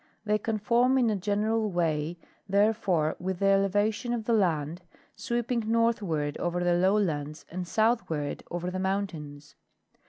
They conform in a general way, therefore, with the elevation of the land, sweeping northward over the lowlands and southward over the mountains.